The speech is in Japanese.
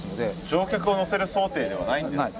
乗客を乗せる想定ではないんですね。